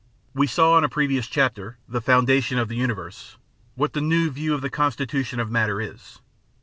We saw in a previous chapter ("The Foundation of the Universe") what the new view of the constitution of matter is.